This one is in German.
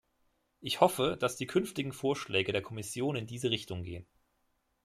Ich hoffe, dass die künftigen Vorschläge der Kommission in diese Richtung gehen.